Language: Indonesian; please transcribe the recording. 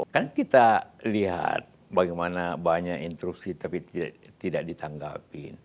kan kita lihat bagaimana banyak instruksi tapi tidak ditanggapin